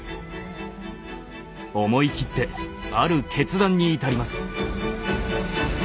思い切ってある決断に至ります。